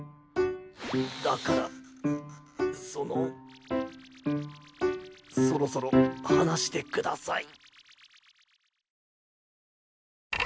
だからそのそろそろ放してください。